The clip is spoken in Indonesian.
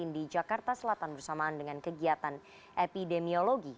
di jakarta selatan bersamaan dengan kegiatan epidemiologi